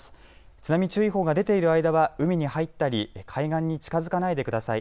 津波注意報が出ている間は海に入ったり海岸に近づかないでください。